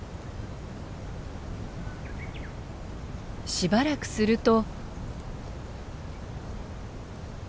しばらくすると。